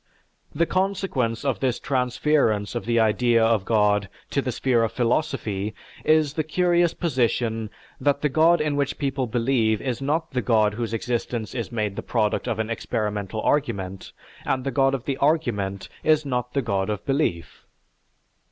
The consequence of this transference of the idea of God to the sphere of philosophy is the curious position that the god in which people believe is not the god whose existence is made the product of an experimental argument, and the god of the argument is not the god of belief.